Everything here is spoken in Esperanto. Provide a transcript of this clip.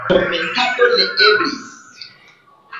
Komentado ne eblis.